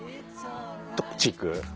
どっち行く？